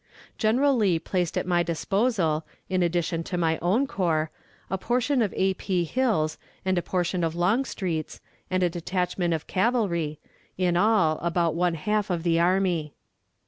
General Lee placed at my disposal, in addition to my own corps, a portion of A. P, Hill's and a portion of Longstreet's, and a detachment of cavalry in all, about one half of the army.